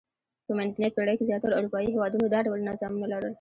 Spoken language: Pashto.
په منځنۍ پېړۍ کې زیاترو اروپايي هېوادونو دا ډول نظامونه لرل.